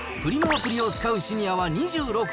アプリを使うシニアは２６％。